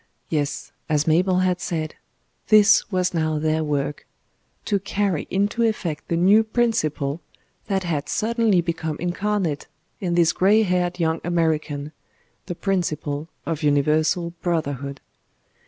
Yes, as Mabel had said; this was now their work to carry into effect the new principle that had suddenly become incarnate in this grey haired young American the principle of Universal Brotherhood.